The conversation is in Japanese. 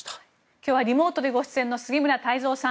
今日はリモートでご出演の杉村太蔵さん